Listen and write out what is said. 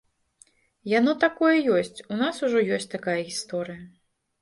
Яно такое ёсць, у нас ужо ёсць такая гісторыя.